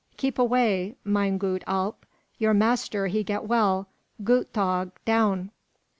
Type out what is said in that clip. Keep away, mine goot Alp! Your master he get well: goot tog, down!"